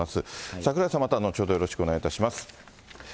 櫻井さん、また後ほどよろしくお願いいたします。